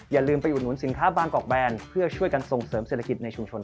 อย่าลืมร่วมผลิตภัณฑ์บางกอกแบลว์เพื่อช่วยกันเซียงเสริมในชุมชนด้วย